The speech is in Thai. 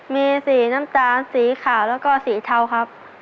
มีสีน้ำตาลสีขาวแล้วก็สีเทาครับ